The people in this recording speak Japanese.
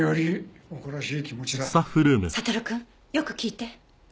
悟くんよく聞いて。